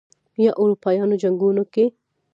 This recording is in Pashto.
یا اروپايانو جنګونو کې